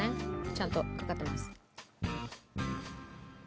ちゃんとかかってます。